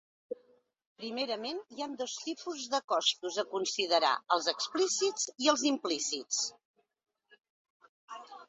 Primerament, hi ha dos tipus de costos a considerar: els explícits i els implícits.